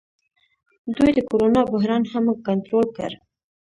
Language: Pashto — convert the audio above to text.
دوی د کرونا بحران هم کنټرول کړ.